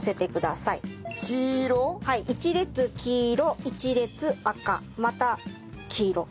１列黄色１列赤また黄色。